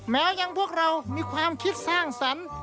ยังพวกเรามีความคิดสร้างสรรค์